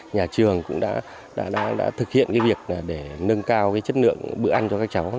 nhà trường cũng đã thực hiện việc để nâng cao chất lượng bữa ăn cho các cháu